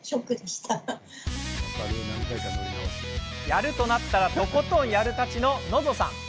やるとなったらとことんやるたちの、のぞさん。